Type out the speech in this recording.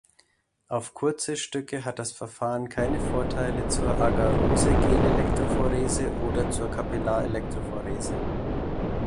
Auf kurze Stücke hat das Verfahren keine Vorteile zur Agarose-Gelelektrophorese oder zur Kapillarelektrophorese.